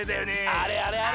あれあれあれ！